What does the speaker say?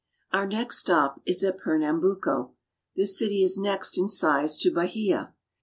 Our next stop is at Pernambuco. This city is next in size to Bahia.